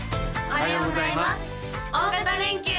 おはようございます大型連休！